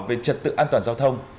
về trật tự an toàn giao thông